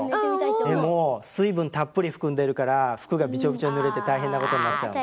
でも水分たっぷり含んでるから服がビチョビチョにぬれて大変なことになっちゃうの。